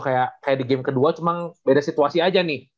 kayak di game kedua cuma beda situasi aja nih